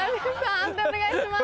判定お願いします。